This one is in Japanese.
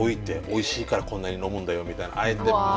おいしいからこんなに飲むんだよみたいなのあえて。